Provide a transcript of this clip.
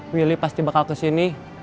willy pasti bakal kesini